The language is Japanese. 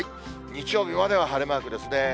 日曜日までは晴れマークですね。